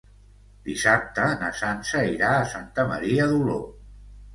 Dissabte na Sança irà a Santa Maria d'Oló.